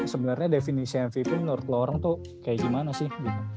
sebenarnya definisi fv itu menurut lo orang tuh kayak gimana sih